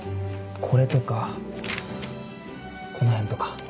これとかこのへんとか。